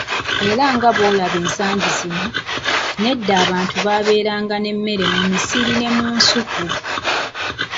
"Era nga bw’olaba ensangi zino, n’edda abantu babbanga emmere mu misiri ne mu nsuku."